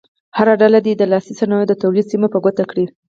هره ډله دې د لاسي صنایعو د تولید سیمې په ګوته کړي.